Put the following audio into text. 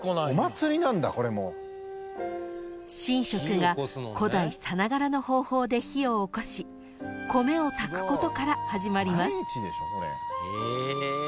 ［神職が古代さながらの方法で火を起こし米を炊くことから始まります］